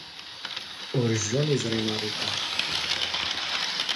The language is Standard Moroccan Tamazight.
ⵓⵔ ⵊⵊⵓⵏ ⵉⵥⵕⵉ ⵎⴰⵔⵉ ⵜⵓⵎ.